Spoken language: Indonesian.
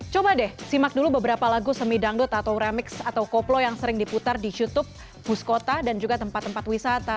coba deh simak dulu beberapa lagu semi dangdut atau remix atau koplo yang sering diputar di youtube bus kota dan juga tempat tempat wisata